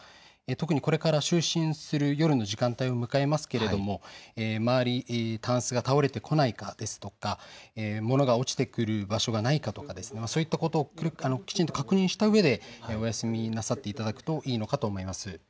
特にこれから就寝する夜の時間帯を迎えますけれども周り、タンスが倒れてこないかですとか物が落ちてくる場所がないかとか、そういったことをきちんと確認したうえでお休みなさっていただくといいのかと思います。